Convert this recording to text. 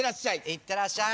いってらっしゃい。